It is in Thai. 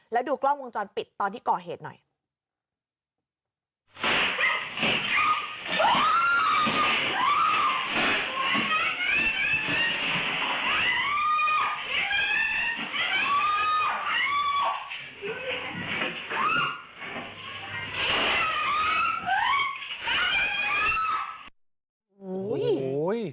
แล้วดูกล้องวงจรปิดตอนที่ก่อเหตุหน่อย